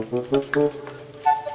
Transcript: otak otak juga bisa d cri